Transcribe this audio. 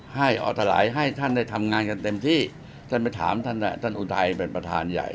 ให้ออตรายให้ท่านได้ทำงานเต็มที่ท่านไปถามท่านอุไทเป็นประธานใหญ่